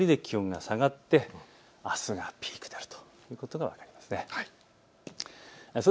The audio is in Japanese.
ということはこの雨や曇りで気温が下がってあすがピークになるということが分かります。